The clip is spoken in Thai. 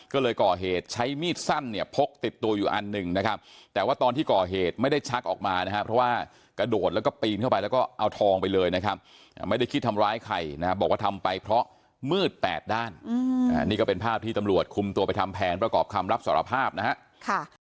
ก็เลยก่อเหตุใช้มีดสั้นเนี่ยพกติดตัวอยู่อันหนึ่งนะครับแต่ว่าตอนที่ก่อเหตุไม่ได้ชักออกมานะครับเพราะว่ากระโดดแล้วก็ปีนเข้าไปแล้วก็เอาทองไปเลยนะครับไม่ได้คิดทำร้ายใครนะฮะบอกว่าทำไปเพราะมืดแปดด้านนี่ก็เป็นภาพที่ตำรวจคุมตัวไปทำแผนประกอบคำรับสารภาพนะฮะ